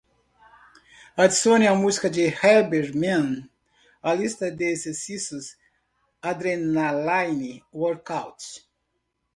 Adicione a música Herbie Mann à lista de exercícios Adrenaline Workout.